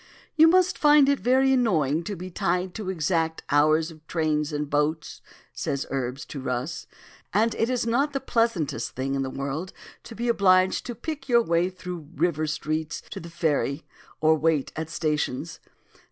"You must find it very annoying to be tied to exact hours of trains and boats," says Urbs to Rus, "and it is not the pleasantest thing in the world to be obliged to pick your way through the river streets to the ferry, or wait at stations.